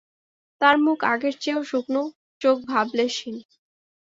তার মুখ আগের চেয়েও শুকনো, চোখ ভাবলেশহীন।